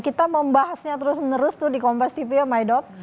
nah kita bahasnya terus menerus tuh di kompas tv ya maidok